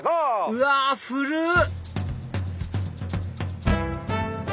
うわ古っ！